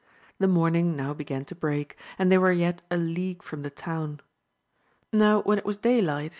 The morning now began to break, and they were yet a league from the town. Now, when it was daylight.